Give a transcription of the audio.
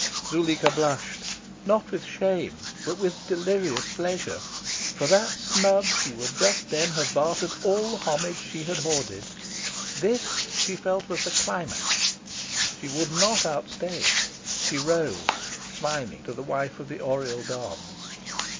Zuleika blushed. Not with shame, but with delirious pleasure. For that snub she would just then have bartered all the homage she had hoarded. This, she felt, was the climax. She would not outstay it. She rose, smiling to the wife of the Oriel don.